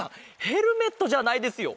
ヘルメットじゃないですよ。